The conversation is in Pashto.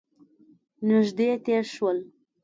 نژدې تیر شول